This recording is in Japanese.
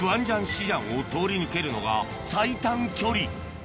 市場を通り抜けるのが最短距離